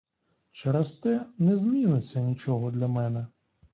Через те не зміниться нічого для мене.